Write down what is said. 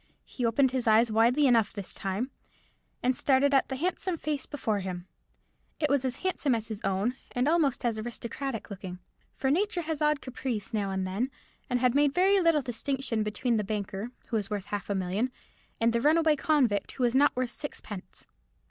He opened his eyes widely enough this time, and started at the handsome face before him. It was as handsome as his own, and almost as aristocratic looking. For Nature has odd caprices now and then, and had made very little distinction between the banker, who was worth half a million, and the runaway convict, who was not worth sixpence.